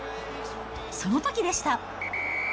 そのときでした。